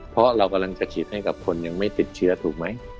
เพราะเรากำลังจะฉีดให้กับคนยังไม่ติดเชื้อถูกไหม